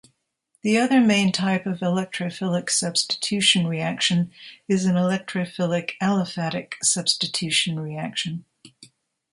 The other main type of electrophilic substitution reaction is an electrophilic aliphatic substitution reaction.